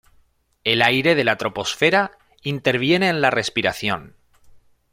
El aire de la troposfera interviene en la respiración.